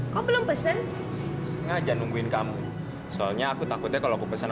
kok belum pesen ngajak nungguin kamu soalnya aku takutnya kalau aku pesan